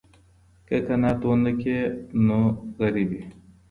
که قناعت ونه کړې نو غریب یې.